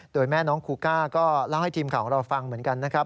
โดยแม่น้องคูก้าก็เล่าให้ทีมข่าวของเราฟังเหมือนกันนะครับ